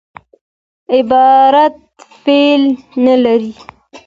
عبارت فعل نه لري.